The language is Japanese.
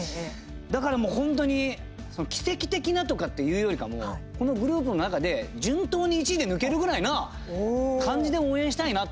だから本当に奇跡的というよりかこのグループの中で順当に１位で抜けるぐらいな感じで応援したいな。